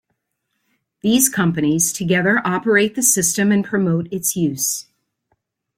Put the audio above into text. These companies together operate the system and promote its use.